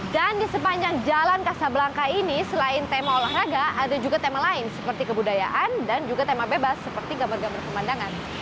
dan di sepanjang jalan kasab langka ini selain tema olahraga ada juga tema lain seperti kebudayaan dan juga tema bebas seperti gambar gambar pemandangan